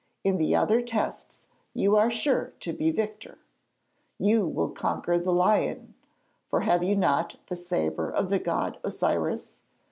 In the other tests you are sure to be victor. You will conquer the lion, for have you not the sabre of the god Osiris?